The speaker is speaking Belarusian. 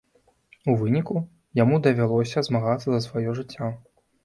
У выніку, яму давялося змагацца за сваё жыццё.